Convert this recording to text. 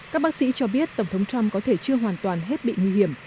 các bác sĩ cho biết tổng thống trump có thể chưa hoàn toàn hết bị nguy hiểm